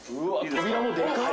扉もでかっ。